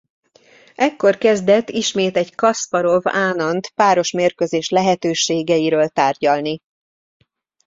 Ekkor kezdett ismét egy Kaszparov–Ánand-párosmérkőzés lehetőségeiről tárgyalni.